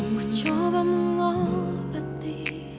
aku coba mengobati